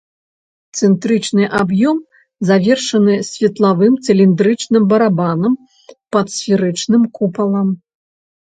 Цэнтрычны аб'ём завершаны светлавым цыліндрычным барабанам пад сферычным купалам.